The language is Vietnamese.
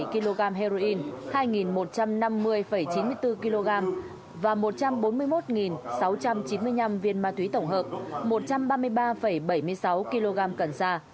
kg heroin hai một trăm năm mươi chín mươi bốn kg và một trăm bốn mươi một sáu trăm chín mươi năm viên ma thúy tổng hợp một trăm ba mươi ba bảy mươi sáu kg cần xa